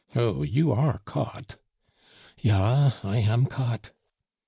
Oh, you are caught! " "Ja, I am caught!"